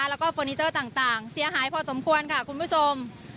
แล้วก็เฟอร์นิเจอร์ต่างเสียหายพอสมควรค่ะคุณผู้ชม